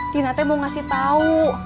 tina t mau ngasih tau